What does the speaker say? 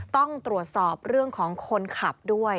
ต้องตรวจสอบเรื่องของคนขับด้วย